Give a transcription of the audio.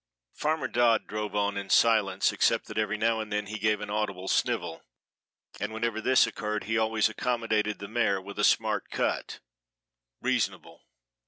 Farmer Dodd drove on in silence, except that every now and then he gave an audible snivel, and whenever this occurred he always accommodated the mare with a smart cut reasonable!